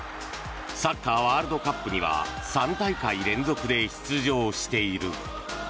サッカーワールドカップには３大会連続で出場している。